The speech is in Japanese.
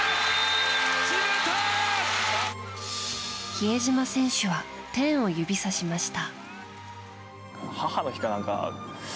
比江島選手は天を指さしました。